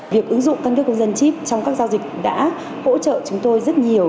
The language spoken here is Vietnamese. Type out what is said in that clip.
việc ứng dụng căn cước công dân chip trong các giao dịch đã hỗ trợ chúng tôi rất nhiều